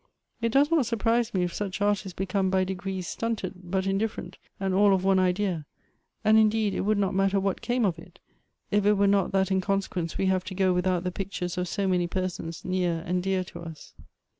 It does not surprise me if such artists become by degrees stunted, but indifferent, and all of one idea ; and indeed it would not matter what came of it, if it were not that in consequence we have to go without the pictures of so many persons near and dear to us."